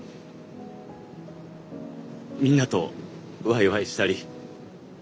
みんなとワイワイしたり。